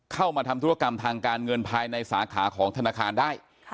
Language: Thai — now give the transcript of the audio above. เข้ามาทำธุรกรรมทางการเงินภายในสาขาของธนาคารได้